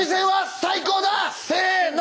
せの。